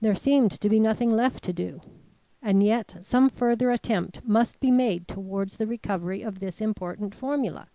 There seemed to be nothing left to do, and yet some further attempt must be made towards the recovery of this important formula.